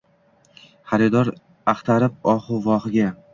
Xaridor axtarib ohu-vohiga